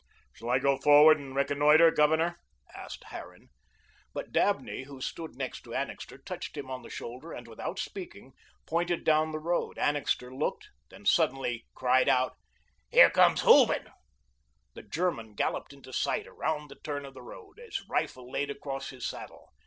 "Shall I go forward and reconnoitre, Governor?" asked Harran. But Dabney, who stood next to Annixter, touched him on the shoulder and, without speaking, pointed down the road. Annixter looked, then suddenly cried out: "Here comes Hooven." The German galloped into sight, around the turn of the road, his rifle laid across his saddle.